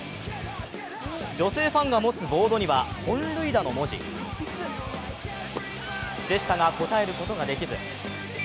女性ファンが持つボードには本塁打の文字でしたが、応えることができず。